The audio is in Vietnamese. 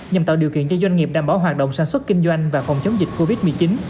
nhằm tạo điều kiện cho doanh nghiệp đảm bảo hoạt động sản xuất kinh doanh và phòng chống dịch covid một mươi chín